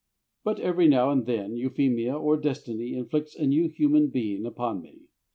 But every now and then Euphemia or Destiny inflicts a new human being upon me.